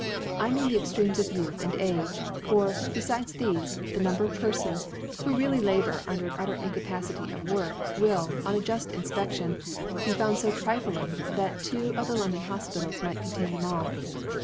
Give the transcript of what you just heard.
i ( 70 ) mean, the Extremes of Youth and Age : for, befides thefe, ibe Number of Perfons who really labour under an utter Incapacity of Work, will, on a juft Inlpeftion,, be found fo trifling, that two of the Ijondon Hofpitals might contain them all.